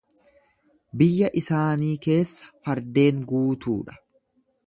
Biyya isaanii keessa fardeen guutuu dha.